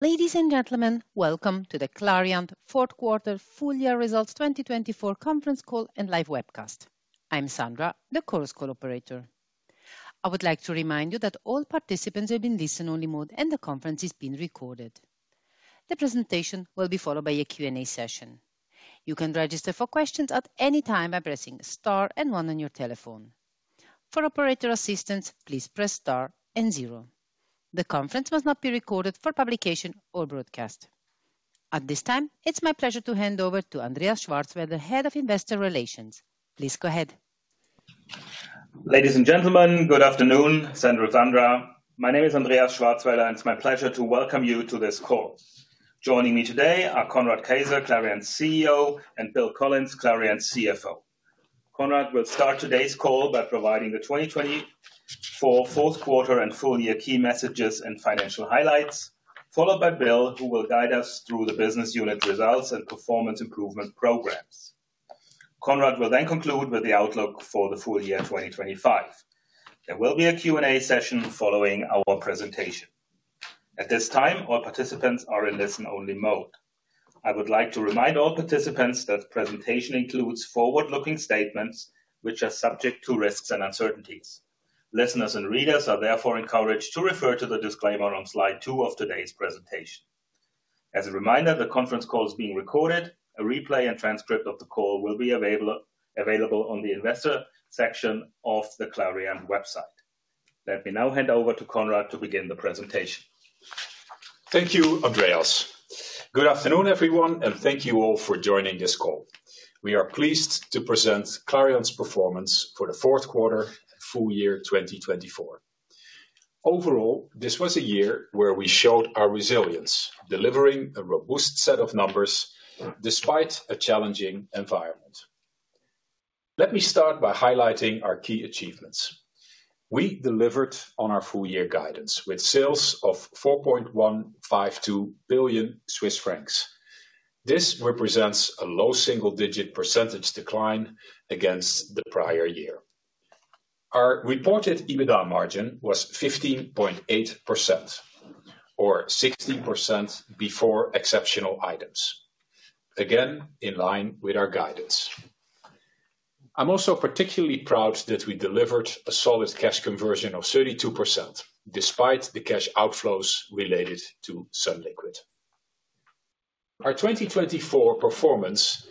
Ladies and gentlemen, welcome to the Clariant Fourth Quarter Full Year Results 2024 Conference Call and Live Webcast. I'm Sandra, the conference operator. I would like to remind you that all participants are in listen-only mode and the conference is being recorded. The presentation will be followed by a Q&A session. You can register for questions at any time by pressing star and one on your telephone. For operator assistance, please press star and zero. The conference must not be recorded for publication or broadcast. At this time, it's my pleasure to hand over to Andreas Schwarzwälder, Head of Investor Relations. Please go ahead. Ladies and gentlemen, good afternoon. My name is Andreas Schwarzwälder, and it's my pleasure to welcome you to this call. Joining me today are Conrad Keijzer, Clariant CEO, and Bill Collins, Clariant CFO. Conrad will start today's call by providing the 2024 fourth quarter and full year key messages and financial highlights, followed by Bill, who will guide us through the business unit results and performance improvement programs. Conrad will then conclude with the outlook for the full year 2025. There will be a Q&A session following our presentation. At this time, all participants are in listen-only mode. I would like to remind all participants that the presentation includes forward-looking statements, which are subject to risks and uncertainties. Listeners and readers are therefore encouraged to refer to the disclaimer on slide two of today's presentation. As a reminder, the conference call is being recorded. A replay and transcript of the call will be available on the investor section of the Clariant website. Let me now hand over to Conrad to begin the presentation. Thank you, Andreas. Good afternoon, everyone, and thank you all for joining this call. We are pleased to present Clariant's performance for the fourth quarter full year 2024. Overall, this was a year where we showed our resilience, delivering a robust set of numbers despite a challenging environment. Let me start by highlighting our key achievements. We delivered on our full year guidance with sales of 4.152 billion Swiss francs. This represents a low single-digit % decline against the prior year. Our reported EBITDA margin was 15.8%, or 16% before exceptional items. Again, in line with our guidance. I'm also particularly proud that we delivered a solid cash conversion of 32% despite the cash outflows related to sunliquid. Our 2024 performance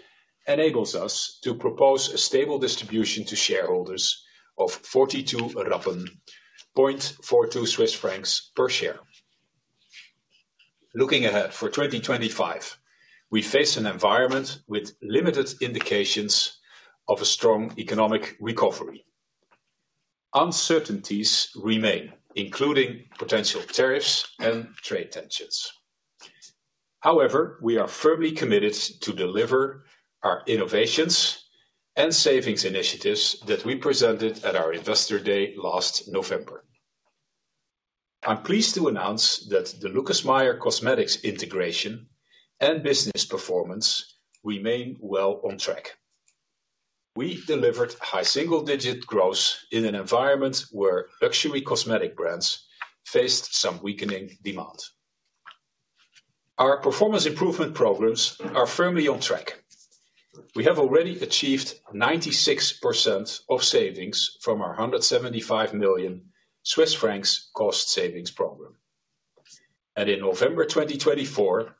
enables us to propose a stable distribution to shareholders of 42.42 Swiss francs per share. Looking ahead for 2025, we face an environment with limited indications of a strong economic recovery. Uncertainties remain, including potential tariffs and trade tensions. However, we are firmly committed to deliver our innovations and savings initiatives that we presented at our investor day last November. I'm pleased to announce that the Lucas Meyer Cosmetics integration and business performance remain well on track. We delivered high single-digit growth in an environment where luxury cosmetic brands faced some weakening demand. Our performance improvement programs are firmly on track. We have already achieved 96% of savings from our 175 million Swiss francs cost savings program. And in November 2024,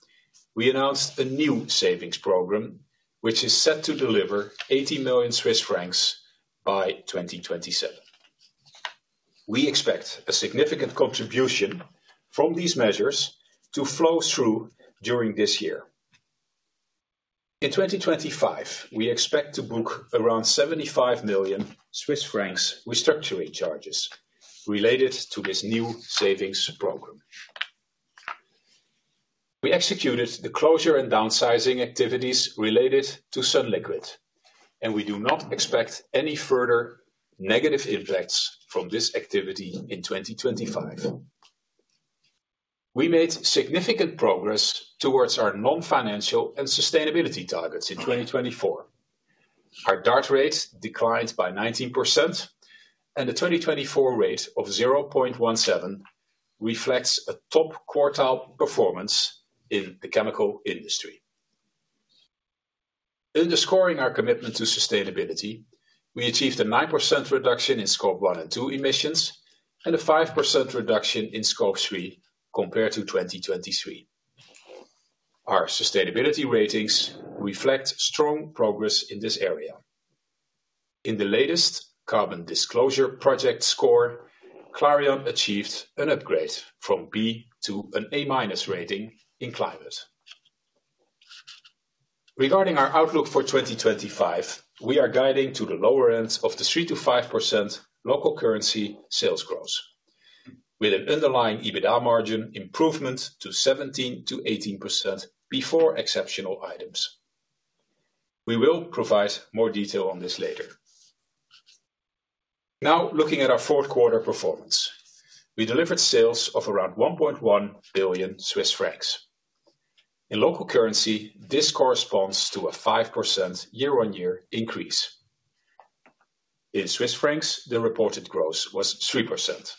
we announced a new savings program, which is set to deliver 80 million Swiss francs by 2027. We expect a significant contribution from these measures to flow through during this year. In 2025, we expect to book around 75 million Swiss francs restructuring charges related to this new savings program. We executed the closure and downsizing activities related to sunliquid, and we do not expect any further negative impacts from this activity in 2025. We made significant progress towards our non-financial and sustainability targets in 2024. Our DART rate declined by 19%, and the 2024 rate of 0.17% reflects a top quartile performance in the chemical industry. Underscoring our commitment to sustainability, we achieved a 9% reduction in Scope 1 and 2 emissions and a 5% reduction in Scope 3 compared to 2023. Our sustainability ratings reflect strong progress in this area. In the latest Carbon Disclosure Project score, Clariant achieved an upgrade from B to an A minus rating in climate. Regarding our outlook for 2025, we are guiding to the lower end of the 3%-5% local currency sales growth, with an underlying EBITDA margin improvement to 17%-18% before exceptional items. We will provide more detail on this later. Now, looking at our fourth quarter performance, we delivered sales of around 1.1 billion Swiss francs. In local currency, this corresponds to a 5% year-on-year increase. In Swiss francs, the reported growth was 3%.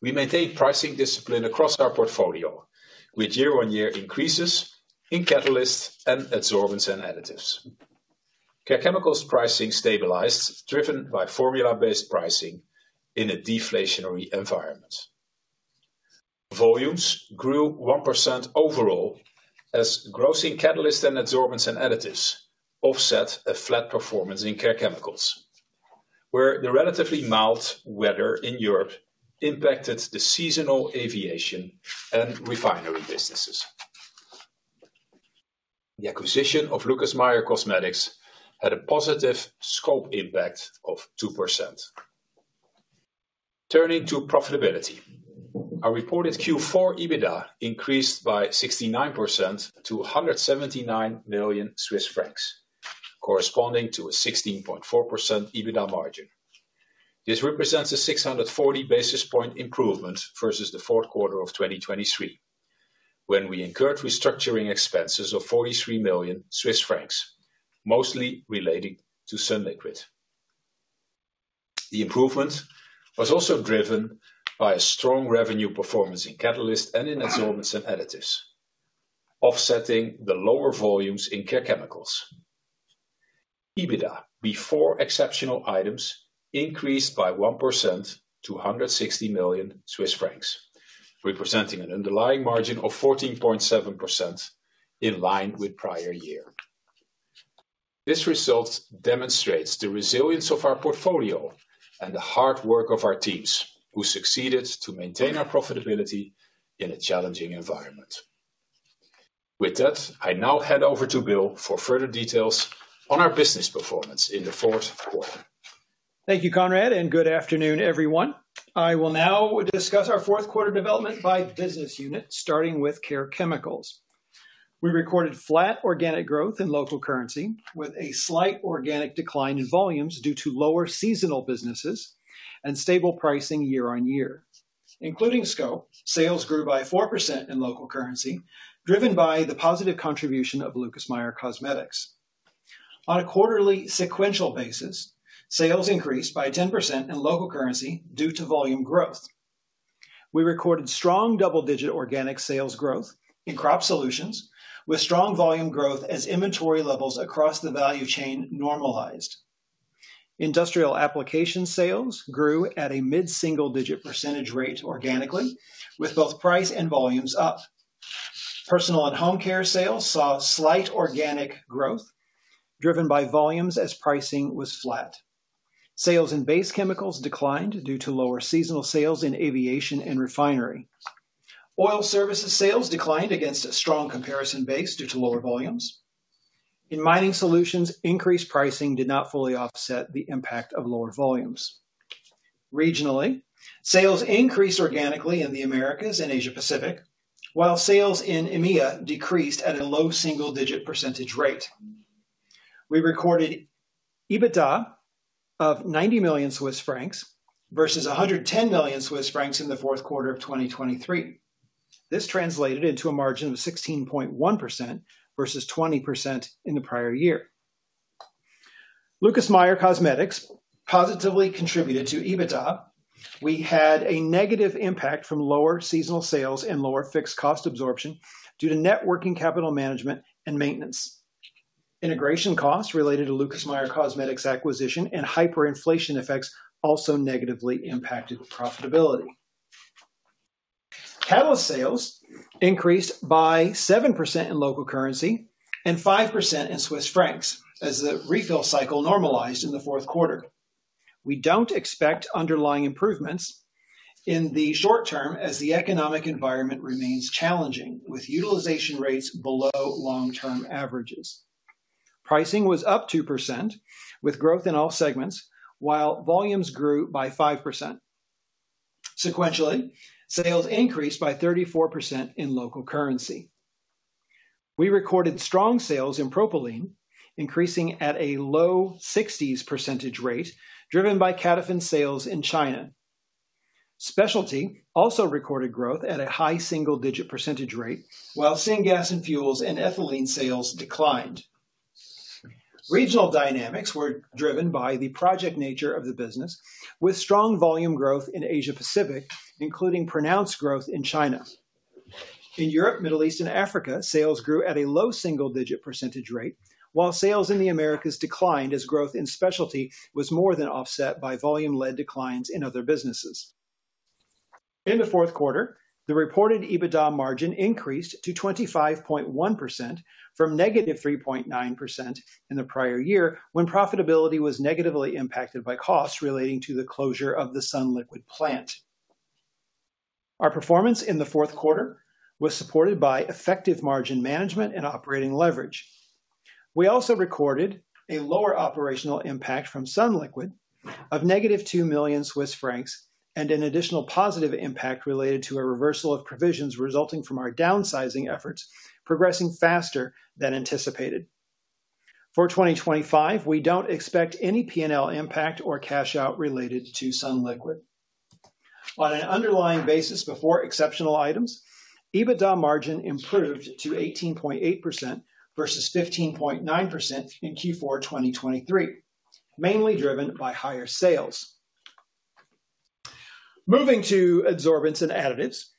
We maintained pricing discipline across our portfolio, with year-on-year increases in catalysts and Adsorbants & Additives. Care Chemicals pricing stabilized, driven by formula-based pricing in a deflationary environment. Volumes grew 1% overall as growth in catalysts and Adsorbants & Additives offset a flat performance in Care Chemicals, where the relatively mild weather in Europe impacted the seasonal aviation and refinery businesses. The acquisition of Lucas Meyer Cosmetics had a positive scope impact of 2%. Turning to profitability, our reported Q4 EBITDA increased by 69% to 179 million Swiss francs, corresponding to a 16.4% EBITDA margin. This represents a 640 basis points improvement versus the fourth quarter of 2023, when we incurred restructuring expenses of 43 million Swiss francs, mostly related to sunliquid. The improvement was also driven by a strong revenue performance in catalysts and in Adsorbents & Additives, offsetting the lower volumes in Care Chemicals. EBITDA before exceptional items increased by 1% to 160 million Swiss francs, representing an underlying margin of 14.7% in line with prior year. This result demonstrates the resilience of our portfolio and the hard work of our teams, who succeeded to maintain our profitability in a challenging environment. With that, I now hand over to Bill for further details on our business performance in the fourth quarter. Thank you, Conrad, and good afternoon, everyone. I will now discuss our fourth quarter development by business unit, starting with Care Chemicals. We recorded flat organic growth in local currency, with a slight organic decline in volumes due to lower seasonal businesses and stable pricing year-on-year. Including scope, sales grew by 4% in local currency, driven by the positive contribution of Lucas Meyer Cosmetics. On a quarterly sequential basis, sales increased by 10% in local currency due to volume growth. We recorded strong double-digit organic sales growth in crop solutions, with strong volume growth as inventory levels across the value chain normalized. Industrial application sales grew at a mid-single-digit % rate organically, with both price and volumes up. Personal and home care sales saw slight organic growth, driven by volumes as pricing was flat. Sales in base chemicals declined due to lower seasonal sales in aviation and refinery. Oil services sales declined against a strong comparison base due to lower volumes. In mining solutions, increased pricing did not fully offset the impact of lower volumes. Regionally, sales increased organically in the Americas and Asia-Pacific, while sales in EMEA decreased at a low single-digit percentage rate. We recorded EBITDA of 90 million Swiss francs versus 110 million Swiss francs in the fourth quarter of 2023. This translated into a margin of 16.1% versus 20% in the prior year. Lucas Meyer Cosmetics positively contributed to EBITDA. We had a negative impact from lower seasonal sales and lower fixed cost absorption due to net working capital management and maintenance. Integration costs related to Lucas Meyer Cosmetics acquisition and hyperinflation effects also negatively impacted profitability. Catalyst sales increased by 7% in local currency and 5% in Swiss francs as the refill cycle normalized in the fourth quarter. We don't expect underlying improvements in the short term as the economic environment remains challenging, with utilization rates below long-term averages. Pricing was up 2%, with growth in all segments, while volumes grew by 5%. Sequentially, sales increased by 34% in local currency. We recorded strong sales in propylene, increasing at a low 60s% rate, driven by catalysts sales in China. Specialty also recorded growth at a high single-digit% rate, while syngas and fuels and ethylene sales declined. Regional dynamics were driven by the project nature of the business, with strong volume growth in Asia-Pacific, including pronounced growth in China. In Europe, Middle East, and Africa, sales grew at a low single-digit% rate, while sales in the Americas declined as growth in specialty was more than offset by volume-led declines in other businesses. In the fourth quarter, the reported EBITDA margin increased to 25.1% from negative 3.9% in the prior year, when profitability was negatively impacted by costs relating to the closure of the Sunliquid plant. Our performance in the fourth quarter was supported by effective margin management and operating leverage. We also recorded a lower operational impact from Sunliquid of negative 2 million Swiss francs and an additional positive impact related to a reversal of provisions resulting from our downsizing efforts progressing faster than anticipated. For 2025, we don't expect any P&L impact or cash-out related to Sunliquid. On an underlying basis before exceptional items, EBITDA margin improved to 18.8% versus 15.9% in Q4 2023, mainly driven by higher sales. Moving to absorbance and additives,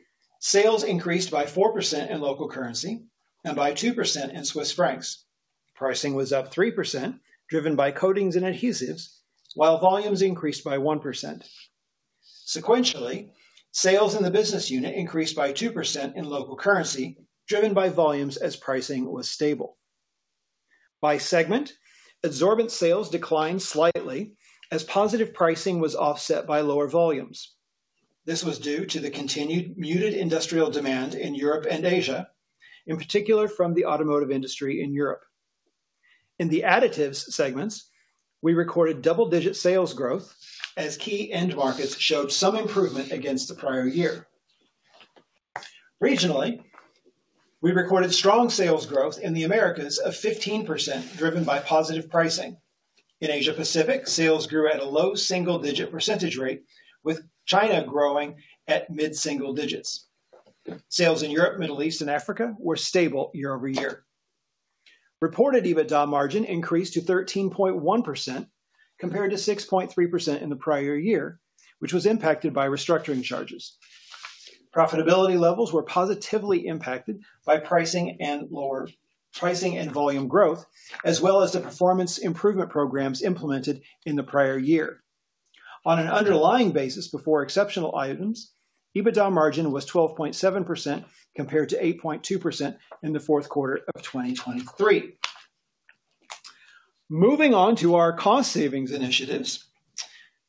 sales increased by 4% in local currency and by 2% in Swiss francs. Pricing was up 3%, driven by coatings and adhesives, while volumes increased by 1%. Sequentially, sales in the business unit increased by 2% in local currency, driven by volumes as pricing was stable. By segment, adsorbents sales declined slightly as positive pricing was offset by lower volumes. This was due to the continued muted industrial demand in Europe and Asia, in particular from the automotive industry in Europe. In the additives segments, we recorded double-digit sales growth as key end markets showed some improvement against the prior year. Regionally, we recorded strong sales growth in the Americas of 15%, driven by positive pricing. In Asia-Pacific, sales grew at a low single-digit % rate, with China growing at mid-single digits. Sales in Europe, Middle East, and Africa were stable year-over-year. Reported EBITDA margin increased to 13.1% compared to 6.3% in the prior year, which was impacted by restructuring charges. Profitability levels were positively impacted by pricing and volume growth, as well as the performance improvement programs implemented in the prior year. On an underlying basis before exceptional items, EBITDA margin was 12.7% compared to 8.2% in the fourth quarter of 2023. Moving on to our cost savings initiatives.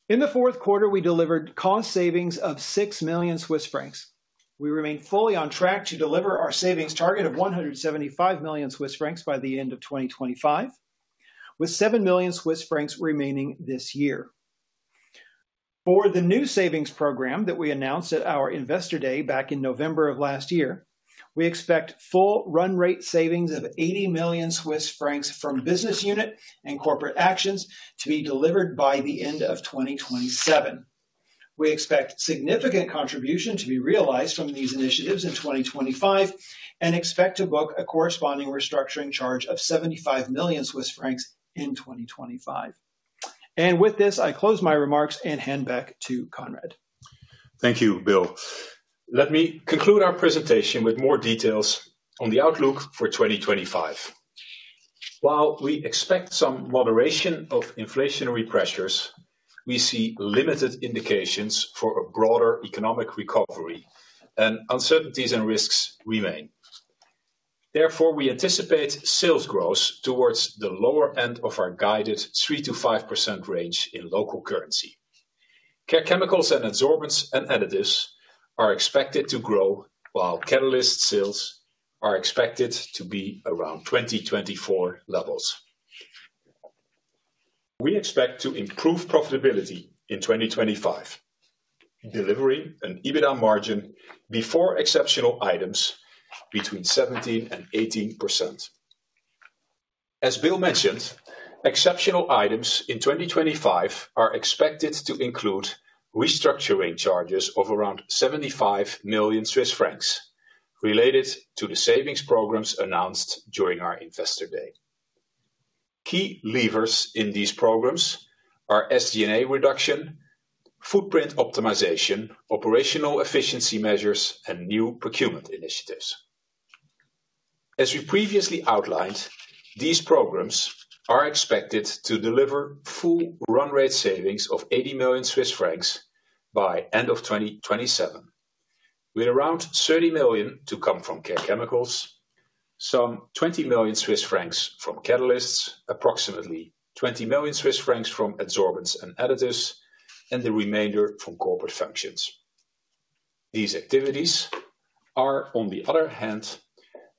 In the fourth quarter, we delivered cost savings of 6 million Swiss francs. We remain fully on track to deliver our savings target of 175 million Swiss francs by the end of 2025, with 7 million Swiss francs remaining this year. For the new savings program that we announced at our investor day back in November of last year, we expect full run rate savings of 80 million Swiss francs from business unit and corporate actions to be delivered by the end of 2027. We expect significant contribution to be realized from these initiatives in 2025 and expect to book a corresponding restructuring charge of 75 million Swiss francs in 2025, and with this, I close my remarks and hand back to Conrad. Thank you, Bill. Let me conclude our presentation with more details on the outlook for 2025. While we expect some moderation of inflationary pressures, we see limited indications for a broader economic recovery, and uncertainties and risks remain. Therefore, we anticipate sales growth towards the lower end of our guided 3%-5% range in local currency. Care Chemicals and adsorbents additives are expected to grow, while Catalysts sales are expected to be around 2024 levels. We expect to improve profitability in 2025, delivering an EBITDA margin before exceptional items between 17% and 18%. As Bill mentioned, exceptional items in 2025 are expected to include restructuring charges of around 75 million Swiss francs related to the savings programs announced during our Investor Day. Key levers in these programs are SG&A reduction, footprint optimization, operational efficiency measures, and new procurement initiatives. As we previously outlined, these programs are expected to deliver full run rate savings of 80 million Swiss francs by the end of 2027, with around 30 million CHF to come from Care Chemicals, some 20 million Swiss francs from Catalysts, approximately 20 million Swiss francs from adsorbents and additives, and the remainder from corporate functions. These activities are, on the other hand,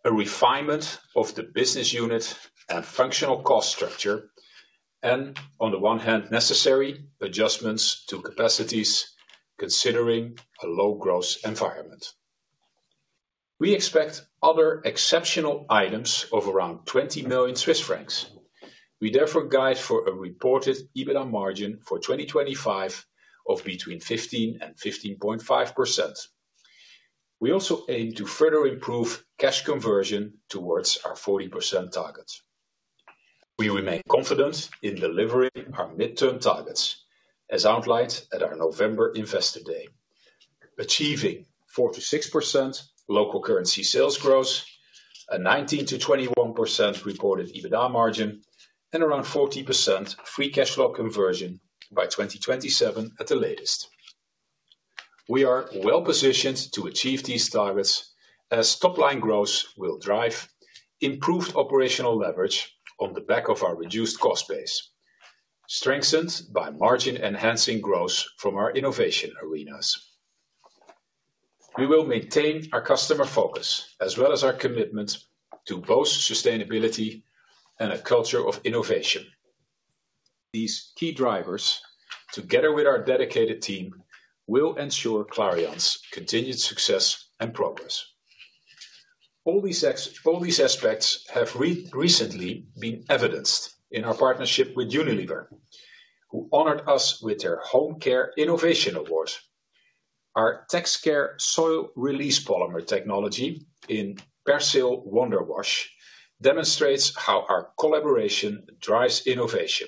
a refinement of the business unit and functional cost structure and, on the one hand, necessary adjustments to capacities considering a low-growth environment. We expect other exceptional items of around 20 million Swiss francs. We therefore guide for a reported EBITDA margin for 2025 of between 15% and 15.5%. We also aim to further improve cash conversion towards our 40% target. We remain confident in delivering our midterm targets, as outlined at our November investor day, achieving 4%-6% local currency sales growth, a 19%-21% reported EBITDA margin, and around 40% free cash flow conversion by 2027 at the latest. We are well positioned to achieve these targets as top-line growth will drive improved operational leverage on the back of our reduced cost base, strengthened by margin-enhancing growth from our innovation arenas. We will maintain our customer focus, as well as our commitment to both sustainability and a culture of innovation. These key drivers, together with our dedicated team, will ensure Clariant's continued success and progress. All these aspects have recently been evidenced in our partnership with Unilever, who honored us with their Home Care Innovation Award. Our TexCare Soil Release Polymer Technology in Persil Wonder Wash demonstrates how our collaboration drives innovation,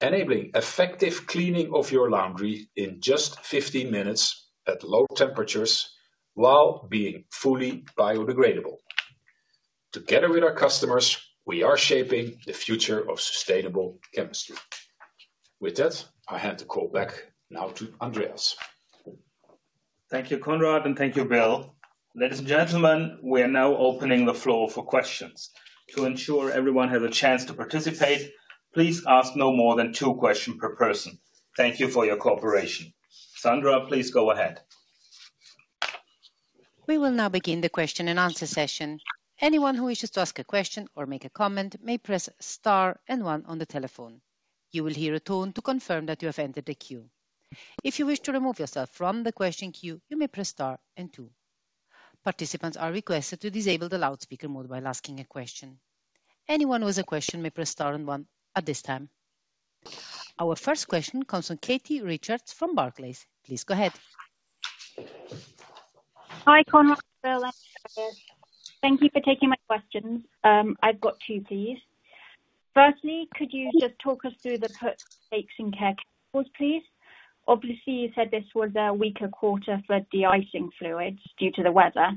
enabling effective cleaning of your laundry in just 15 minutes at low temperatures while being fully biodegradable. Together with our customers, we are shaping the future of sustainable chemistry. With that, I hand the call back now to Andreas. Thank you, Conrad, and thank you, Bill. Ladies and gentlemen, we are now opening the floor for questions. To ensure everyone has a chance to participate, please ask no more than two questions per person. Thank you for your cooperation. Sandra, please go ahead. We will now begin the question and answer session. Anyone who wishes to ask a question or make a comment may press star and one on the telephone. You will hear a tone to confirm that you have entered the queue. If you wish to remove yourself from the question queue, you may press star and two. Participants are requested to disable the loudspeaker mode while asking a question. Anyone with a question may press star and One at this time. Our first question comes from Katie Richards from Barclays. Please go ahead. Hi, Conrad, Bill, Andreas. Thank you for taking my questions. I've got two, please. Firstly, could you just talk us through the Pigments, Additives, and Care Chemicals, please? Obviously, you said this was a weaker quarter for deicing fluids due to the weather.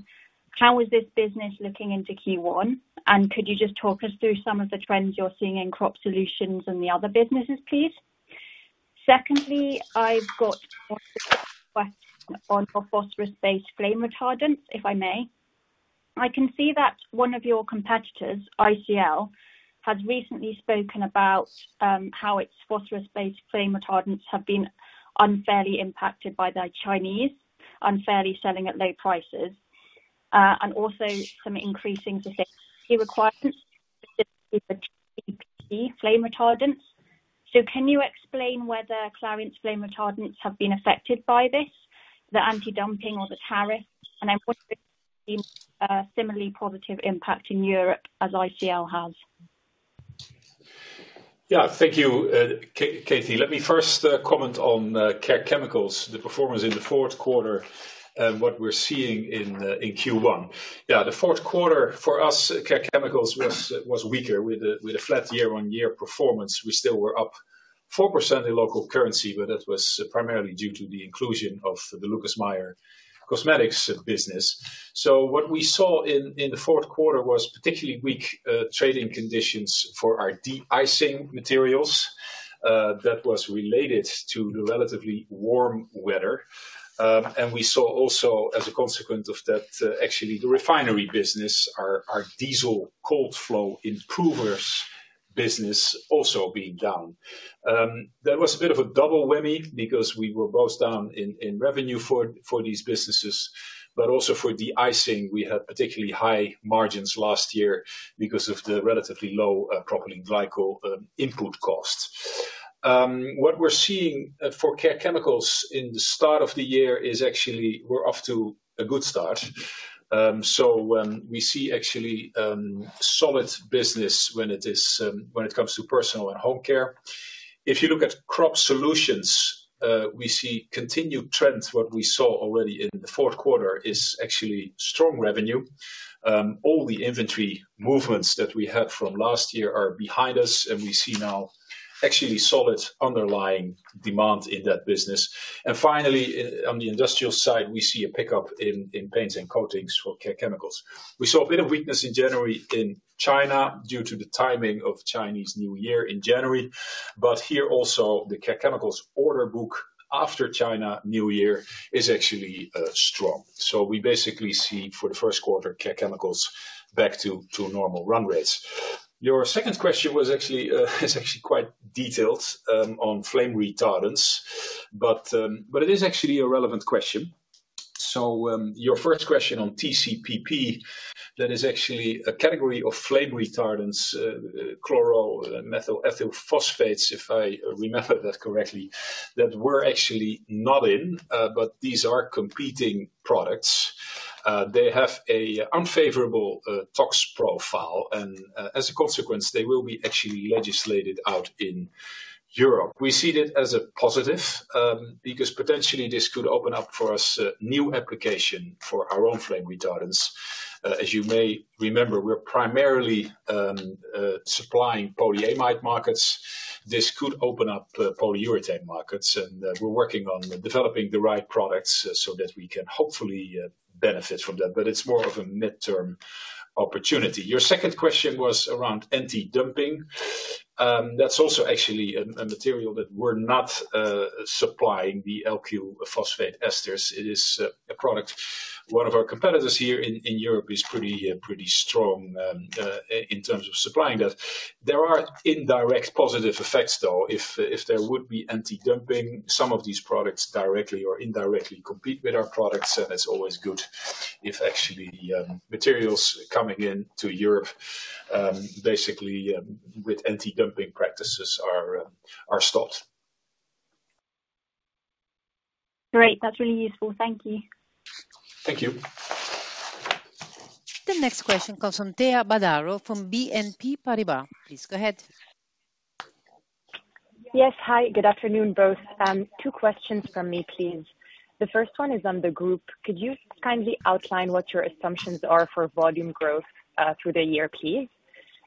How is this business looking into Q1? And could you just talk us through some of the trends you're seeing in Crop Solutions and the other businesses, please? Secondly, I've got one question on your phosphorus-based flame retardants, if I may. I can see that one of your competitors, ICL, has recently spoken about how its phosphorus-based flame retardants have been unfairly impacted by the Chinese unfairly selling at low prices, and also some increasing safety requirements, specifically the TCPP flame retardants. So can you explain whether Clariant's flame retardants have been affected by this, the anti-dumping or the tariffs? I'm wondering if there's been a similarly positive impact in Europe as ICL has. Yeah, thank you, Katie. Let me first comment on Care Chemicals, the performance in the fourth quarter and what we're seeing in Q1. Yeah, the fourth quarter for us, Care Chemicals was weaker with a flat year-on-year performance. We still were up 4% in local currency, but that was primarily due to the inclusion of the Lucas Meyer Cosmetics business. So what we saw in the fourth quarter was particularly weak trading conditions for our deicing materials. That was related to the relatively warm weather. And we saw also, as a consequence of that, actually the refinery business, our diesel cold flow improvers business, also being down. That was a bit of a double whammy because we were both down in revenue for these businesses, but also for deicing, we had particularly high margins last year because of the relatively low propylene glycol input costs. What we're seeing for Care Chemicals at the start of the year is actually we're off to a good start. So we see actually solid business when it comes to personal and home care. If you look at Crop Solutions, we see continued trends. What we saw already in the fourth quarter is actually strong revenue. All the inventory movements that we had from last year are behind us, and we see now actually solid underlying demand in that business. And finally, on the industrial side, we see a pickup in paints and coatings for Care Chemicals. We saw a bit of weakness in January in China due to the timing of Chinese New Year in January. But here also, the Care Chemicals order book after Chinese New Year is actually strong. So we basically see for the first quarter, Care Chemicals back to normal run rates. Your second question was actually quite detailed on flame retardants, but it is actually a relevant question. So your first question on TCPP, that is actually a category of flame retardants, chloro methyl ethyl phosphates, if I remember that correctly, that we're actually not in, but these are competing products. They have an unfavorable tox profile, and as a consequence, they will be actually legislated out in Europe. We see it as a positive because potentially this could open up for us a new application for our own flame retardants. As you may remember, we're primarily supplying polyamide markets. This could open up polyurethane markets, and we're working on developing the right products so that we can hopefully benefit from that, but it's more of a midterm opportunity. Your second question was around anti-dumping. That's also actually a material that we're not supplying, the LQ phosphate esters. It is a product one of our competitors here in Europe is pretty strong in terms of supplying that. There are indirect positive effects, though. If there would be anti-dumping, some of these products directly or indirectly compete with our products, and it's always good if actually materials coming into Europe basically with anti-dumping practices are stopped. Great. That's really useful. Thank you. Thank you. The next question comes from Thea Badaro from BNP Paribas. Please go ahead. Yes, hi, good afternoon both. Two questions from me, please. The first one is on the group. Could you kindly outline what your assumptions are for volume growth through the year, please?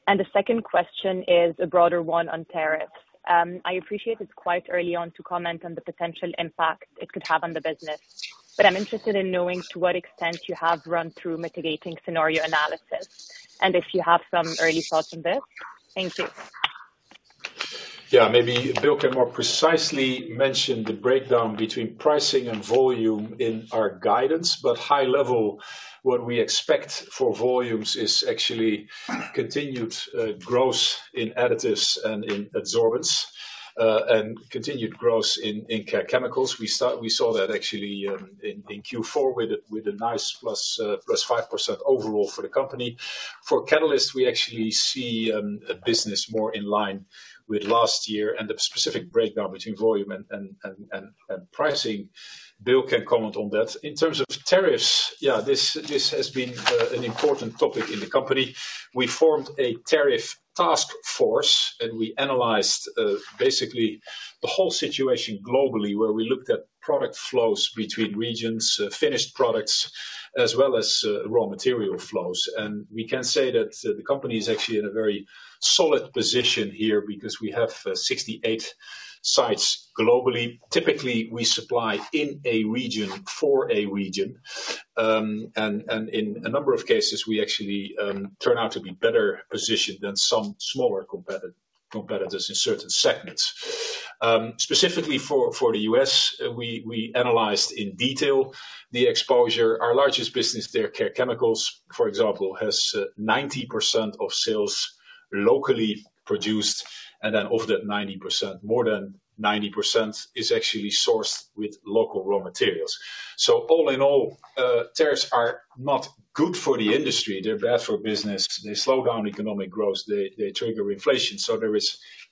And the second question is a broader one on tariffs. I appreciate it's quite early on to comment on the potential impact it could have on the business, but I'm interested in knowing to what extent you have run through mitigating scenario analysis and if you have some early thoughts on this. Thank you. Yeah, maybe Bill can more precisely mention the breakdown between pricing and volume in our guidance, but high level, what we expect for volumes is actually continued growth in additives and in adsorbents and continued growth in care chemicals. We saw that actually in Q4 with a nice plus 5% overall for the company. For catalysts, we actually see a business more in line with last year and the specific breakdown between volume and pricing. Bill can comment on that. In terms of tariffs, yeah, this has been an important topic in the company. We formed a tariff task force, and we analyzed basically the whole situation globally where we looked at product flows between regions, finished products, as well as raw material flows. We can say that the company is actually in a very solid position here because we have 68 sites globally. Typically, we supply in a region for a region, and in a number of cases, we actually turn out to be better positioned than some smaller competitors in certain segments. Specifically for the U.S., we analyzed in detail the exposure. Our largest business there, Care Chemicals, for example, has 90% of sales locally produced, and then of that 90%, more than 90% is actually sourced with local raw materials, so all in all, tariffs are not good for the industry. They're bad for business. They slow down economic growth. They trigger inflation, so there are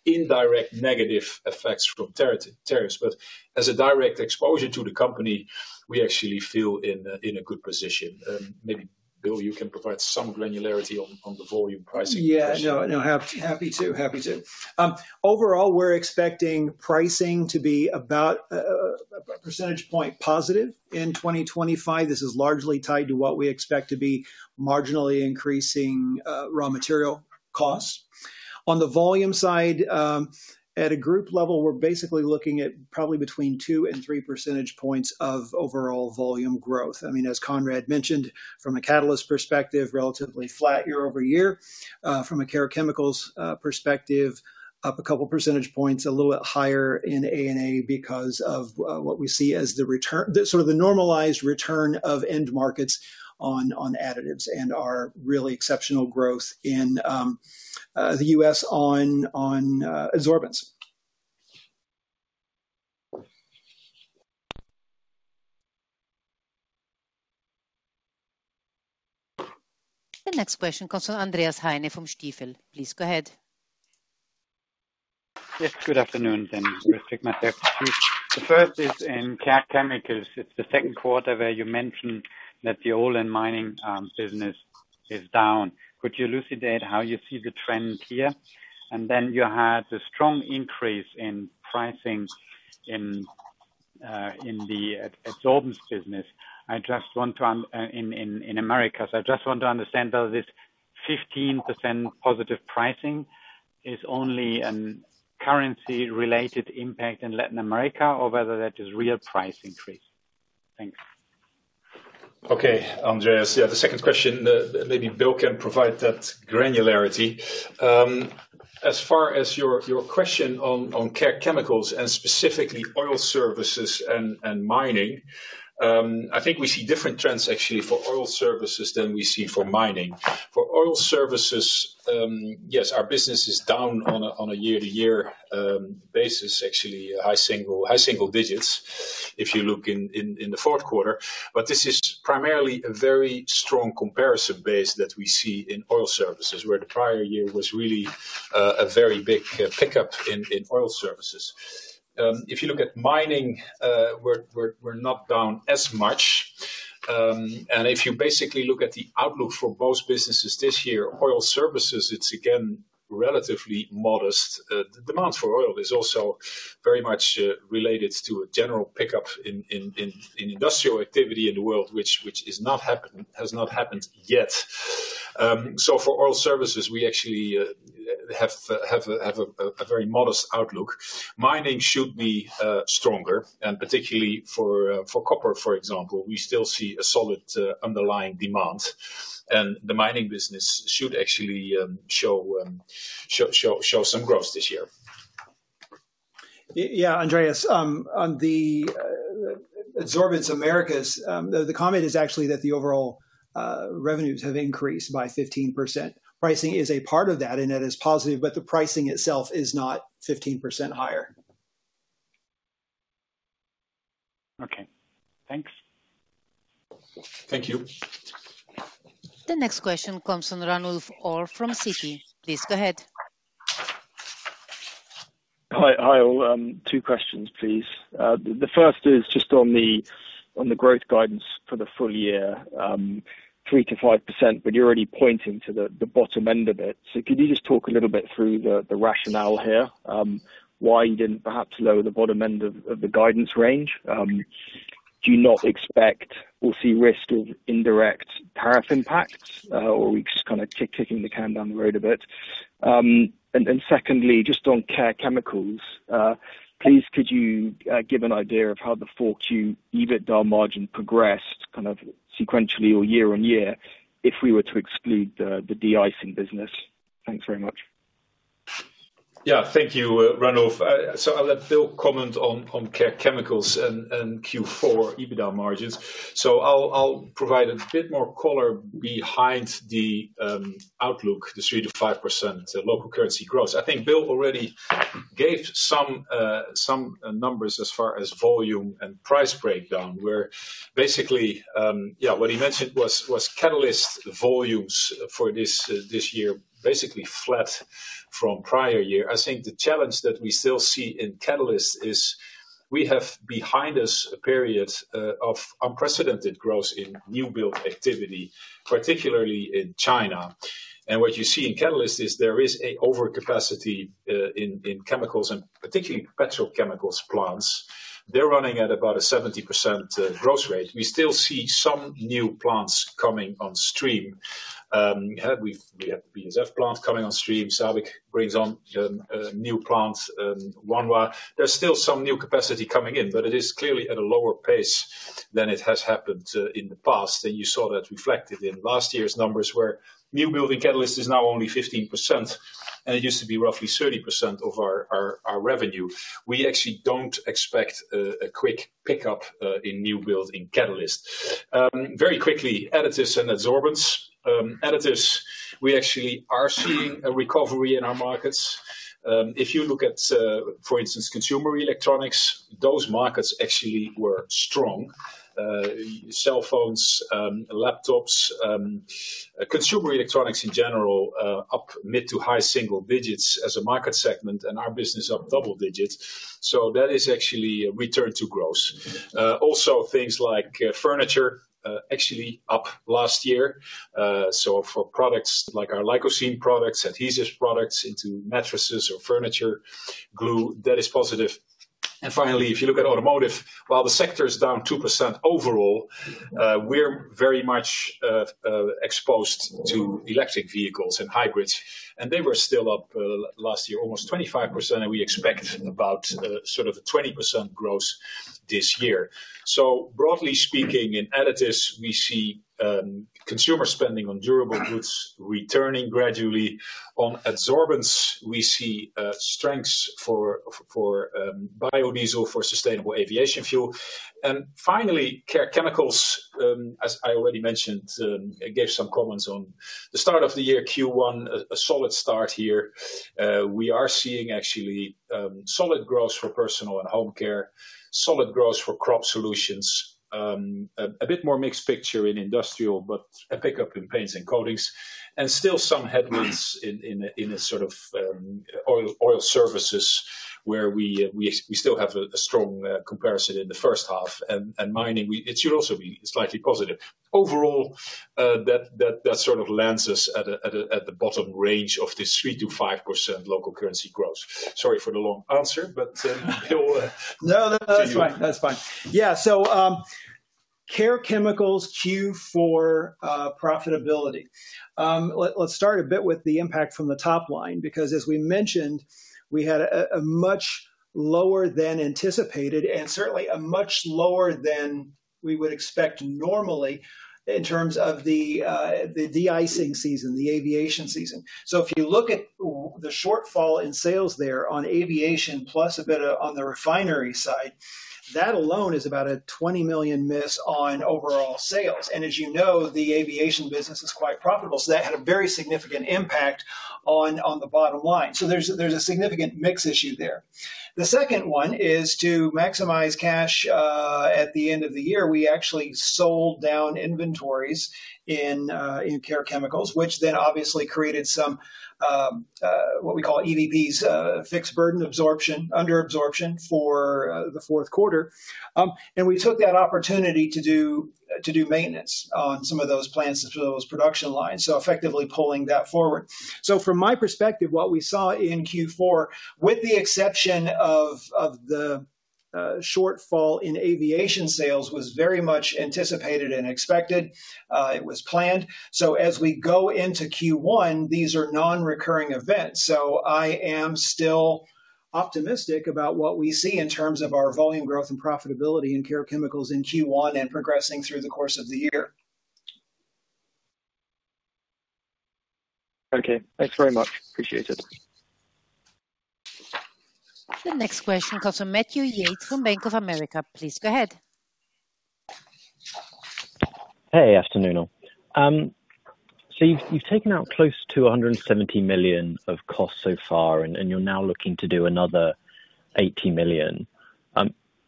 indirect negative effects from tariffs, but as a direct exposure to the company, we actually feel in a good position. Maybe Bill, you can provide some granularity on the volume pricing. Yeah, no, happy to. Happy to. Overall, we're expecting pricing to be about a percentage point positive in 2025. This is largely tied to what we expect to be marginally increasing raw material costs. On the volume side, at a group level, we're basically looking at probably between two and three percentage points of overall volume growth. I mean, as Conrad mentioned, from a Catalysts perspective, relatively flat year-over-year. From a Care Chemicals perspective, up a couple of percentage points, a little bit higher in ANA because of what we see as the return, sort of the normalized return of end markets on additives and our really exceptional growth in the U.S. on absorbents. The next question comes from Andreas Heine from Stifel. Please go ahead. Yes, good afternoon then. The first is in Care Chemicals. It's the second quarter where you mentioned that the oil and mining business is down. Could you elucidate how you see the trend here? And then you had a strong increase in pricing in the absorbance business. In America, I just want to understand whether this 15% positive pricing is only a currency-related impact in Latin America or whether that is a real price increase. Thanks. Okay, Andreas. Yeah, the second question, maybe Bill can provide that granularity. As far as your question on care chemicals and specifically oil services and mining, I think we see different trends actually for oil services than we see for mining. For oil services, yes, our business is down on a year-to-year basis, actually high single digits if you look in the fourth quarter. But this is primarily a very strong comparison base that we see in oil services, where the prior year was really a very big pickup in oil services. If you look at mining, we're not down as much. And if you basically look at the outlook for both businesses this year, oil services, it's again relatively modest. The demand for oil is also very much related to a general pickup in industrial activity in the world, which has not happened yet. For oil services, we actually have a very modest outlook. Mining should be stronger, and particularly for copper, for example, we still see a solid underlying demand, and the mining business should actually show some growth this year. Yeah, Andreas, on the Adsorbents Americas, the comment is actually that the overall revenues have increased by 15%. Pricing is a part of that, and that is positive, but the pricing itself is not 15% higher. Okay, thanks. Thank you. The next question comes from Ranulf Orr from Citi. Please go ahead. Hi, Hyle. Two questions, please. The first is just on the growth guidance for the full year, 3%-5%, but you're already pointing to the bottom end of it. So could you just talk a little bit through the rationale here? Why you didn't perhaps lower the bottom end of the guidance range? Do you not expect or see risk of indirect tariff impacts or kind of kicking the can down the road a bit? And secondly, just on Care Chemicals, please, could you give an idea of how the 4Q EBITDA margin progressed kind of sequentially or year-on-year if we were to exclude the deicing business? Thanks very much. Yeah, thank you, Ranulf. So I'll let Bill comment on Care Chemicals and Q4 EBITDA margins. So I'll provide a bit more color behind the outlook, the 3%-5% local currency growth. I think Bill already gave some numbers as far as volume and price breakdown, where basically, yeah, what he mentioned was catalyst volumes for this year basically flat from prior year. I think the challenge that we still see in catalyst is we have behind us a period of unprecedented growth in new build activity, particularly in China. And what you see in catalyst is there is an overcapacity in chemicals and particularly petrochemicals plants. They're running at about a 70% growth rate. We still see some new plants coming on stream. We have the BASF plant coming on stream. SABIC brings on a new plant, Wanhua. There's still some new capacity coming in, but it is clearly at a lower pace than it has happened in the past. And you saw that reflected in last year's numbers where new building catalyst is now only 15%, and it used to be roughly 30% of our revenue. We actually don't expect a quick pickup in new building catalyst. Very quickly, additives and adsorbents. Additives, we actually are seeing a recovery in our markets. If you look at, for instance, consumer electronics, those markets actually were strong. Cell phones, laptops, consumer electronics in general, up mid to high single digits as a market segment, and our business up double digits. So that is actually a return to growth. Also, things like furniture actually up last year. So for products like our Licocene products, adhesive products into mattresses or furniture glue, that is positive. And finally, if you look at automotive, while the sector is down 2% overall, we're very much exposed to electric vehicles and hybrids. And they were still up last year, almost 25%, and we expect about sort of a 20% growth this year. So broadly speaking, in additives, we see consumer spending on durable goods returning gradually. On adsorbents, we see strengths for biodiesel for sustainable aviation fuel. And finally, care chemicals, as I already mentioned, gave some comments on the start of the year, Q1, a solid start here. We are seeing actually solid growth for personal and home care, solid growth for crop solutions, a bit more mixed picture in industrial, but a pickup in paints and coatings, and still some headwinds in sort of oil services where we still have a strong comparison in the first half. And mining, it should also be slightly positive. Overall, that sort of lands us at the bottom range of this 3%-5% local currency growth. Sorry for the long answer, but Bill. No, no, no, that's fine. That's fine. Yeah, so Care Chemicals Q4 profitability. Let's start a bit with the impact from the top line because, as we mentioned, we had a much lower than anticipated and certainly a much lower than we would expect normally in terms of the deicing season, the aviation season. So if you look at the shortfall in sales there on aviation plus a bit on the refinery side, that alone is about a 20 million miss on overall sales. And as you know, the aviation business is quite profitable. So that had a very significant impact on the bottom line. So there's a significant mix issue there. The second one is to maximize cash at the end of the year. We actually sold down inventories in Care Chemicals, which then obviously created some what we call EVPs, fixed burden absorption, under absorption for the fourth quarter. And we took that opportunity to do maintenance on some of those plants and some of those production lines, so effectively pulling that forward. So from my perspective, what we saw in Q4, with the exception of the shortfall in aviation sales, was very much anticipated and expected. It was planned. So as we go into Q1, these are non-recurring events. So I am still optimistic about what we see in terms of our volume growth and profitability in Care Chemicals in Q1 and progressing through the course of the year. Okay, thanks very much. Appreciate it. The next question comes from Matthew Yates from Bank of America. Please go ahead. Hey, afternoon. So you've taken out close to 170 million of costs so far, and you're now looking to do another 80 million.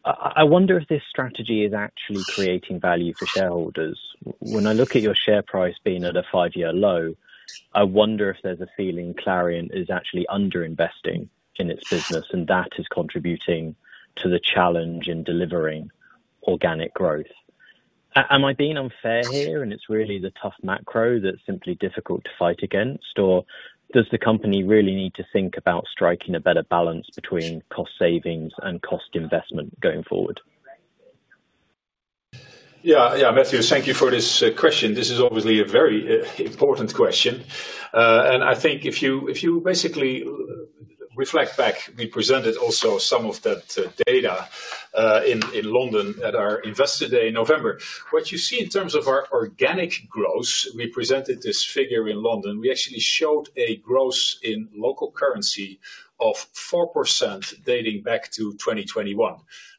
I wonder if this strategy is actually creating value for shareholders. When I look at your share price being at a five-year low, I wonder if there's a feeling Clariant is actually underinvesting in its business and that is contributing to the challenge in delivering organic growth. Am I being unfair here and it's really the tough macro that's simply difficult to fight against, or does the company really need to think about striking a better balance between cost savings and cost investment going forward? Yeah, yeah, Matthew, thank you for this question. This is obviously a very important question. And I think if you basically reflect back, we presented also some of that data in London at our Investor Day in November. What you see in terms of our organic growth, we presented this figure in London, we actually showed a growth in local currency of 4% dating back to 2021,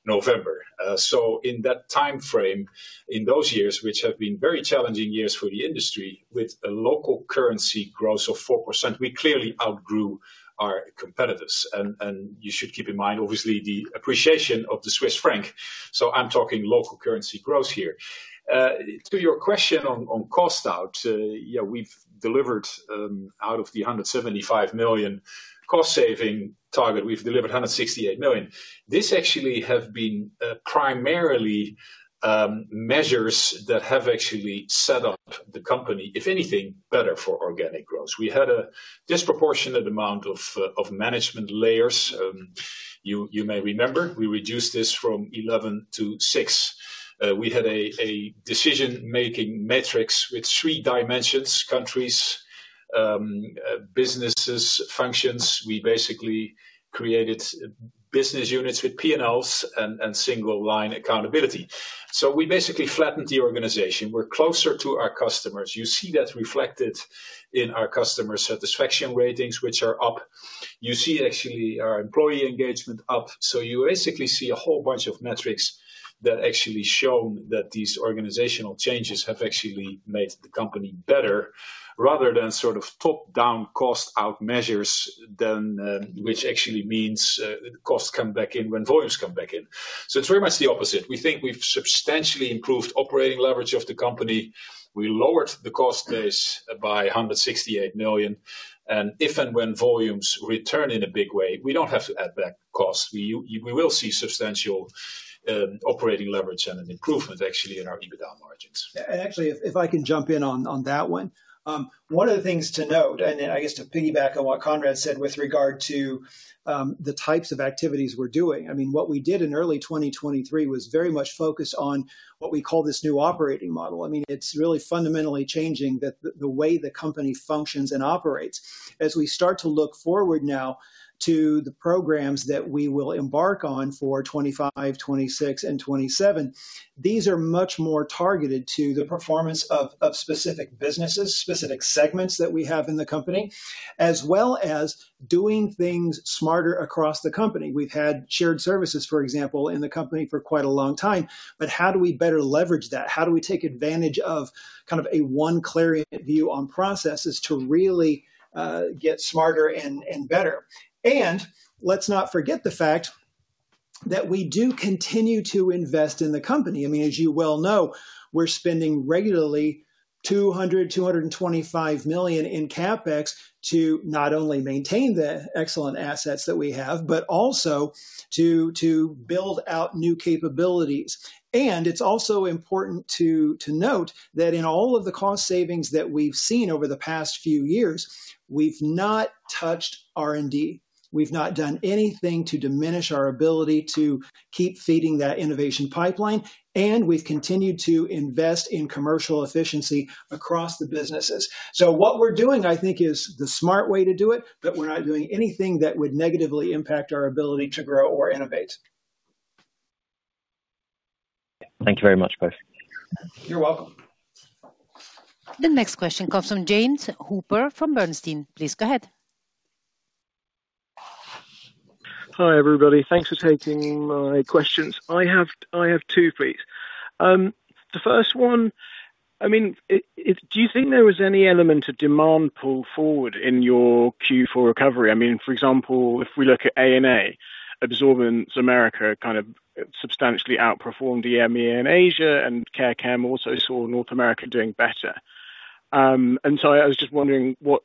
November. So in that time frame, in those years, which have been very challenging years for the industry, with a local currency growth of 4%, we clearly outgrew our competitors. And you should keep in mind, obviously, the appreciation of the Swiss franc, so I'm talking local currency growth here. To your question on cost out, yeah, we've delivered out of the 175 million cost saving target, we've delivered 168 million. This actually has been primarily measures that have actually set up the company, if anything, better for organic growth. We had a disproportionate amount of management layers. You may remember, we reduced this from 11 to six. We had a decision-making matrix with three dimensions: countries, businesses, functions. We basically created business units with P&Ls and single line accountability. So we basically flattened the organization. We're closer to our customers. You see that reflected in our customer satisfaction ratings, which are up. You see actually our employee engagement up. So you basically see a whole bunch of metrics that actually show that these organizational changes have actually made the company better rather than sort of top-down cost out measures, which actually means costs come back in when volumes come back in. So it's very much the opposite. We think we've substantially improved operating leverage of the company. We lowered the cost base by 168 million. And if and when volumes return in a big way, we don't have to add back costs. We will see substantial operating leverage and an improvement actually in our EBITDA margins. Actually, if I can jump in on that one, one of the things to note, and I guess to piggyback on what Conrad said with regard to the types of activities we're doing, I mean, what we did in early 2023 was very much focused on what we call this new operating model. I mean, it's really fundamentally changing the way the company functions and operates. As we start to look forward now to the programs that we will embark on for 2025, 2026, and 2027, these are much more targeted to the performance of specific businesses, specific segments that we have in the company, as well as doing things smarter across the company. We've had shared services, for example, in the company for quite a long time, but how do we better leverage that? How do we take advantage of kind of a one Clariant view on processes to really get smarter and better? And let's not forget the fact that we do continue to invest in the company. I mean, as you well know, we're spending regularly 200-225 million in CapEx to not only maintain the excellent assets that we have, but also to build out new capabilities. And it's also important to note that in all of the cost savings that we've seen over the past few years, we've not touched R&D. We've not done anything to diminish our ability to keep feeding that innovation pipeline, and we've continued to invest in commercial efficiency across the businesses. So what we're doing, I think, is the smart way to do it, but we're not doing anything that would negatively impact our ability to grow or innovate. Thank you very much, both. You're welcome. The next question comes from James Hooper from Bernstein. Please go ahead. Hi everybody. Thanks for taking my questions. I have two, please. The first one, I mean, do you think there was any element of demand pull forward in your Q4 recovery? I mean, for example, if we look at Americas, Adsorbents Americas kind of substantially outperformed EMEA and Asia, and Care Chemicals also saw North America doing better. And so I was just wondering what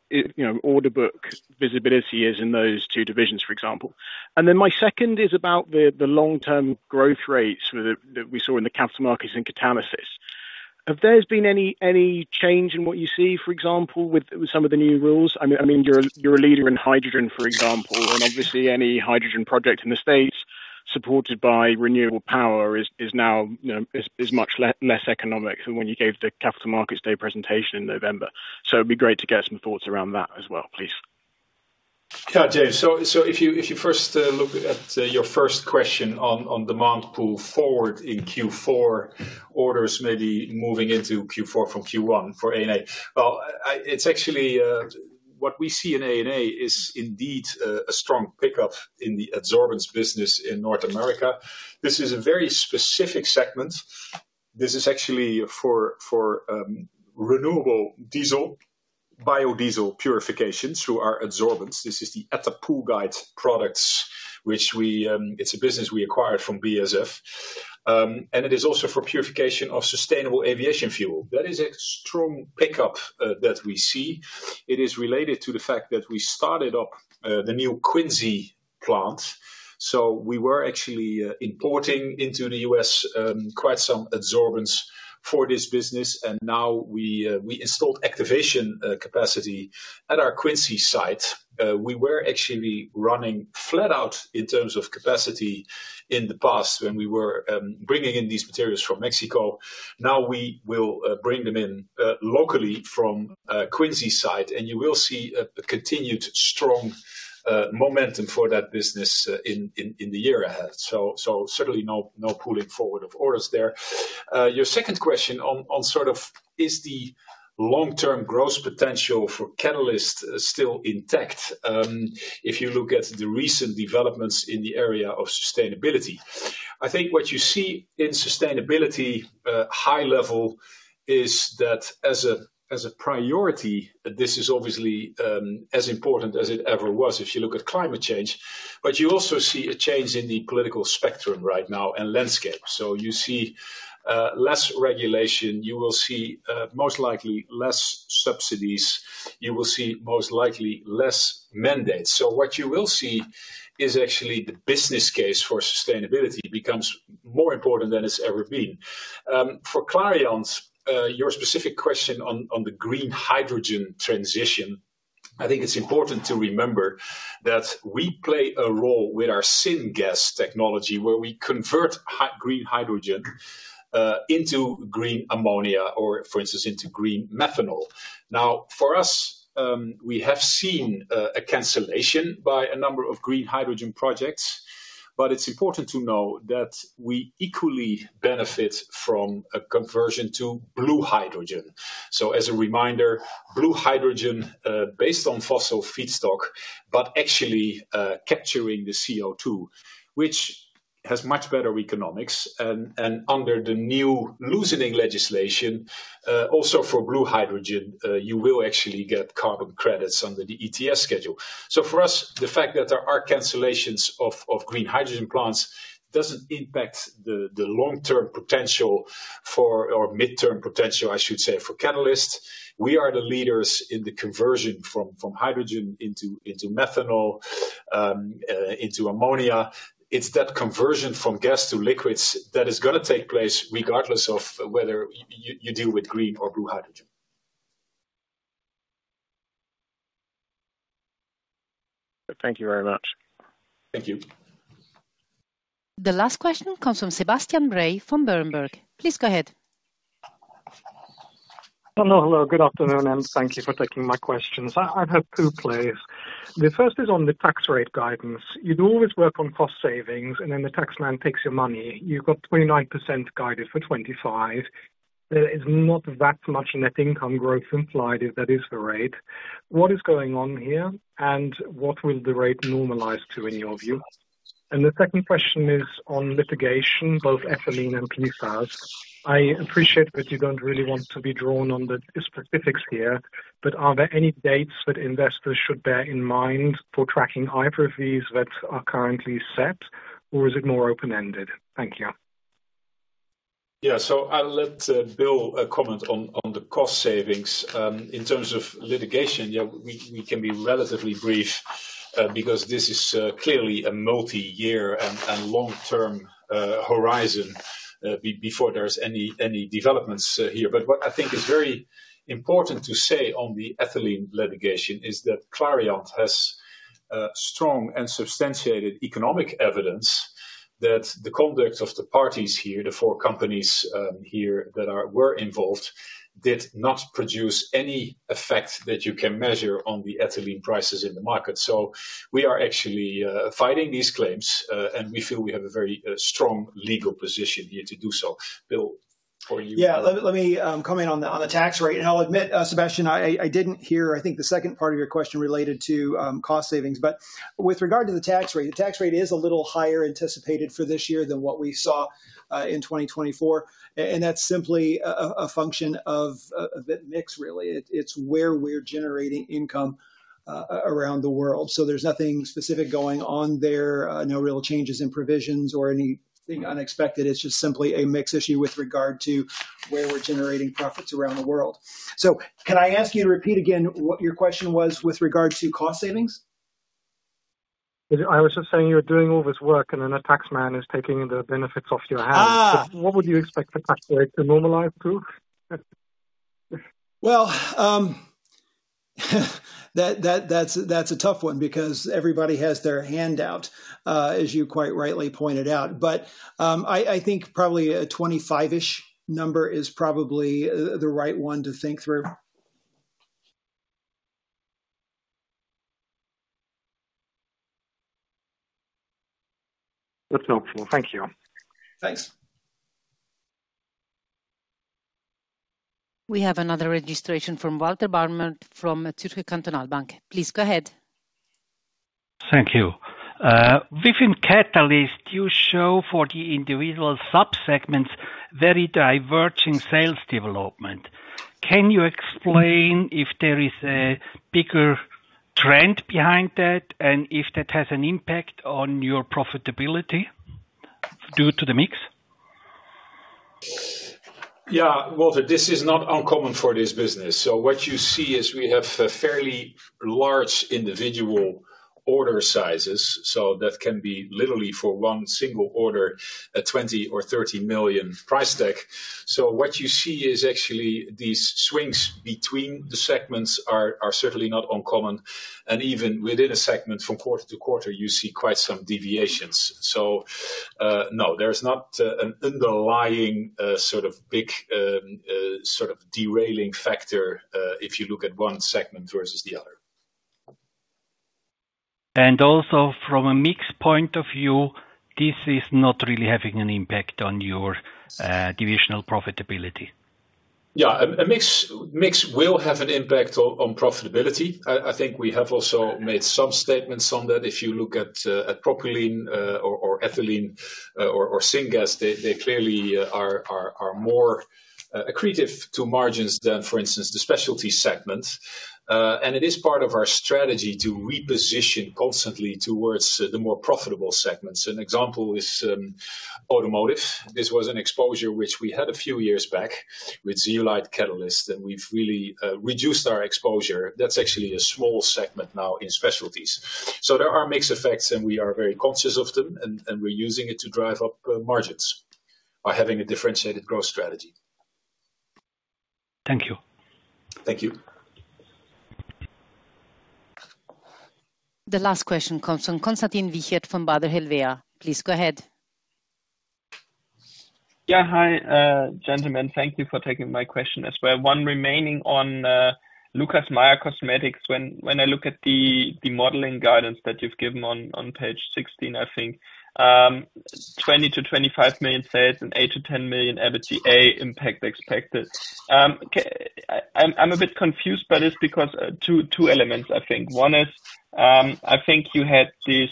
order book visibility is in those two divisions, for example. And then my second is about the long-term growth rates that we saw in the capital markets and Catalysts. Have there been any change in what you see, for example, with some of the new rules? I mean, you're a leader in hydrogen, for example, and obviously any hydrogen project in the States supported by renewable power is now much less economic than when you gave the Capital Markets Day presentation in November. So it'd be great to get some thoughts around that as well, please. Yeah, James, so if you first look at your first question on demand pull forward in Q4 orders, maybe moving into Q4 from Q1 for ANA. Well, it's actually what we see in ANA is indeed a strong pickup in the absorbance business in North America. This is a very specific segment. This is actually for renewable diesel, biodiesel purification through our absorbance. This is the Attapulgite products, which it's a business we acquired from BASF. And it is also for purification of sustainable aviation fuel. That is a strong pickup that we see. It is related to the fact that we started up the new Quincy plant. So we were actually importing into the US quite some absorbance for this business, and now we installed activation capacity at our Quincy site. We were actually running flat out in terms of capacity in the past when we were bringing in these materials from Mexico. Now we will bring them in locally from Quincy site, and you will see a continued strong momentum for that business in the year ahead. So certainly no pulling forward of orders there. Your second question on sort of is the long-term growth potential for catalyst still intact if you look at the recent developments in the area of sustainability? I think what you see in sustainability, high level, is that as a priority, this is obviously as important as it ever was if you look at climate change, but you also see a change in the political spectrum right now and landscape. So you see less regulation. You will see most likely less subsidies. You will see most likely less mandates. What you will see is actually the business case for sustainability becomes more important than it's ever been. For Clariant, your specific question on the green hydrogen transition, I think it's important to remember that we play a role with our syngas technology where we convert green hydrogen into green ammonia or, for instance, into green methanol. Now, for us, we have seen a cancellation by a number of green hydrogen projects, but it's important to know that we equally benefit from a conversion to blue hydrogen. So as a reminder, blue hydrogen based on fossil feedstock, but actually capturing the CO2, which has much better economics. Under the new loosening legislation, also for blue hydrogen, you will actually get carbon credits under the ETS schedule. So for us, the fact that there are cancellations of green hydrogen plants doesn't impact the long-term potential or mid-term potential, I should say, for catalyst. We are the leaders in the conversion from hydrogen into methanol, into ammonia. It's that conversion from gas to liquids that is going to take place regardless of whether you deal with green or blue hydrogen. Thank you very much. Thank you. The last question comes from Sebastian Bray from Berenberg. Please go ahead. Hello, good afternoon, and thank you for taking my questions. I have two plays. The first is on the tax rate guidance. You do always work on cost savings, and then the taxman takes your money. You've got 29% guided for 2025. There is not that much net income growth implied if that is the rate. What is going on here, and what will the rate normalize to in your view? And the second question is on litigation, both Attapulgite and Quincy tax. I appreciate that you don't really want to be drawn on the specifics here, but are there any dates that investors should bear in mind for tracking either of these that are currently set, or is it more open-ended? Thank you. Yeah, so I'll let Bill comment on the cost savings. In terms of litigation, yeah, we can be relatively brief because this is clearly a multi-year and long-term horizon before there's any developments here. But what I think is very important to say on the Attapulgite litigation is that Clariant has strong and substantiated economic evidence that the conduct of the parties here, the four companies here that were involved, did not produce any effect that you can measure on the Attapulgite prices in the market. So we are actually fighting these claims, and we feel we have a very strong legal position here to do so. Bill, for you. Yeah, let me comment on the tax rate and I'll admit, Sebastian, I didn't hear. I think the second part of your question related to cost savings, but with regard to the tax rate, the tax rate is a little higher anticipated for this year than what we saw in 2024 and that's simply a function of that mix, really. It's where we're generating income around the world, so there's nothing specific going on there, no real changes in provisions or anything unexpected. It's just simply a mix issue with regard to where we're generating profits around the world, so can I ask you to repeat again what your question was with regard to cost savings? I was just saying you're doing all this work, and then a taxman is taking the benefits off your hands. What would you expect the tax rate to normalize to? That's a tough one because everybody has their handout, as you quite rightly pointed out. I think probably a 25-ish number is probably the right one to think through. That's helpful. Thank you. Thanks. We have another registration from Walter Bamert from Zürcher Kantonalbank. Please go ahead. Thank you. Within Catalysts, you show for the individual subsegments very diverging sales development. Can you explain if there is a bigger trend behind that and if that has an impact on your profitability due to the mix? Yeah, Walter, this is not uncommon for this business. So what you see is we have fairly large individual order sizes. So that can be literally for one single order, a 20 million or 30 million price tag. So what you see is actually these swings between the segments are certainly not uncommon. And even within a segment from quarter to quarter, you see quite some deviations. So no, there's not an underlying sort of big sort of derailing factor if you look at one segment versus the other. Also from a mix point of view, this is not really having an impact on your divisional profitability? Yeah, a mix will have an impact on profitability. I think we have also made some statements on that. If you look at propylene or ethylene or syngas, they clearly are more accretive to margins than, for instance, the specialty segments. And it is part of our strategy to reposition constantly towards the more profitable segments. An example is automotive. This was an exposure which we had a few years back with Zeolite Catalyst, and we've really reduced our exposure. That's actually a small segment now in specialties. So there are mixed effects, and we are very conscious of them, and we're using it to drive up margins by having a differentiated growth strategy. Thank you. Thank you. The last question comes from Konstantin Wiechert from Baader Helvea. Please go ahead. Yeah, hi gentlemen. Thank you for taking my question as well. One remaining on Lucas Meyer Cosmetics. When I look at the modeling guidance that you've given on page 16, I think 20-25 million sales and 8-10 million EBITDA impact expected. I'm a bit confused by this because two elements, I think. One is I think you had this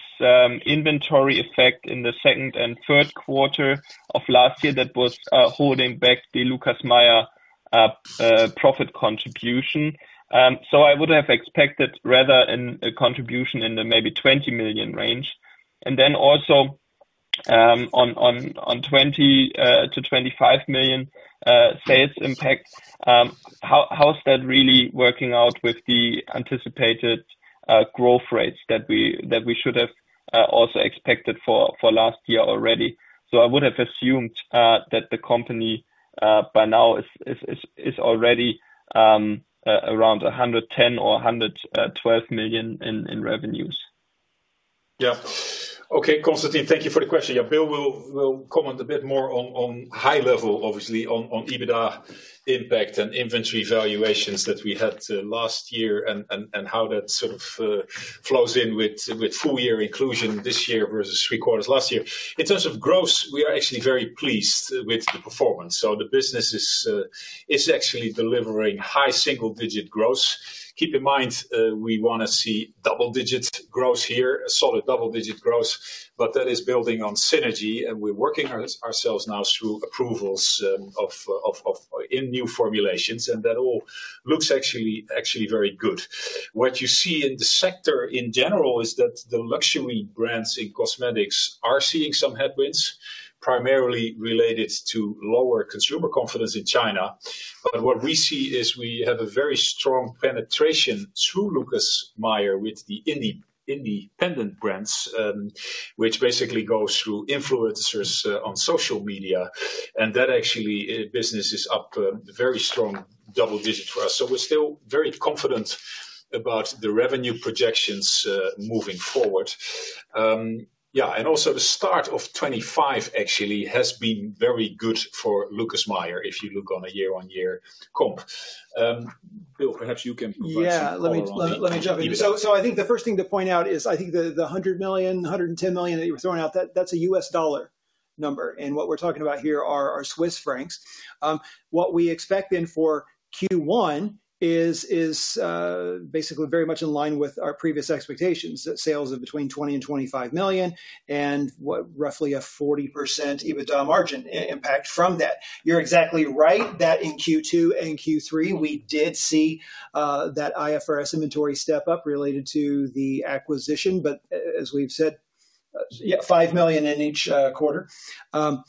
inventory effect in the second and third quarter of last year that was holding back the Lucas Meyer profit contribution. So I would have expected rather a contribution in the maybe 20 million range. And then also on 20-25 million sales impact, how's that really working out with the anticipated growth rates that we should have also expected for last year already? So I would have assumed that the company by now is already around 110 or 112 million in revenues. Yeah. Okay, Konstantin, thank you for the question. Yeah, Bill will comment a bit more on high level, obviously, on EBITDA impact and inventory valuations that we had last year and how that sort of flows in with full year inclusion this year versus three quarters last year. In terms of growth, we are actually very pleased with the performance, so the business is actually delivering high single-digit growth. Keep in mind, we want to see double-digit growth here, a solid double-digit growth, but that is building on synergy, and we're working ourselves now through approvals in new formulations, and that all looks actually very good. What you see in the sector in general is that the luxury brands in cosmetics are seeing some headwinds, primarily related to lower consumer confidence in China. But what we see is we have a very strong penetration through Lucas Meyer with the independent brands, which basically goes through influencers on social media. And that actually business is up very strong double digit for us. So we're still very confident about the revenue projections moving forward. Yeah, and also the start of 2025 actually has been very good for Lucas Meyer if you look on a year-on-year comp. Bill, perhaps you can provide some insight. Yeah, let me jump in here. So I think the first thing to point out is I think the $100 million-$110 million that you were throwing out, that's a US dollar number. And what we're talking about here are Swiss francs. What we expect then for Q1 is basically very much in line with our previous expectations, sales of between 20 million and 25 million and roughly a 40% EBITDA margin impact from that. You're exactly right that in Q2 and Q3, we did see that IFRS inventory step-up related to the acquisition, but as we've said, yeah, 5 million in each quarter. And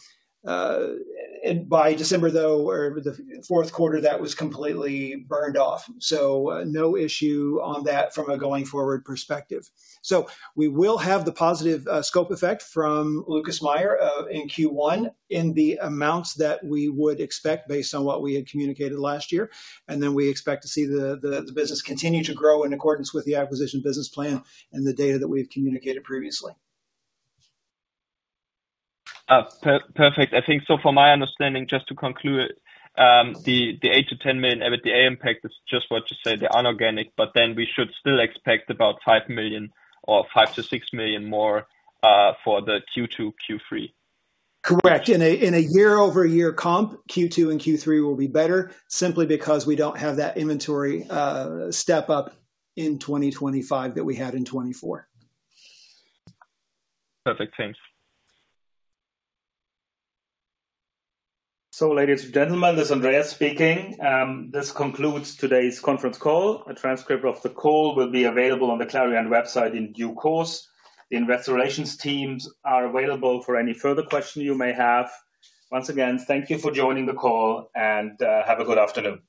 by December, though, or the fourth quarter, that was completely burned off. So no issue on that from a going forward perspective. So we will have the positive scope effect from Lucas Meyer in Q1 in the amounts that we would expect based on what we had communicated last year. And then we expect to see the business continue to grow in accordance with the acquisition business plan and the data that we've communicated previously. Perfect. I think so from my understanding, just to conclude, the 8-10 million EBITDA impact is just what you say, the inorganic, but then we should still expect about 5 million or 5-6 million more for the Q2, Q3? Correct. In a year-over-year comp, Q2 and Q3 will be better simply because we don't have that inventory step-up in 2025 that we had in 2024. Perfect. Thanks. Ladies and gentlemen, this is Andreas speaking. This concludes today's conference call. A transcript of the call will be available on the Clariant website in due course. The investor relations teams are available for any further questions you may have. Once again, thank you for joining the call and have a good afternoon.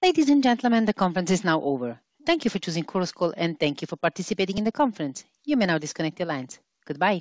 Ladies and gentlemen, the conference is now over. Thank you for choosing Chorus Call and thank you for participating in the conference. You may now disconnect your lines. Goodbye.